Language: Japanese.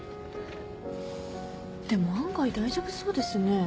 でも案外大丈夫そうですね。